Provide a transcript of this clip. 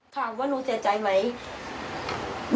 ถามว่าหนูเสียใจไหม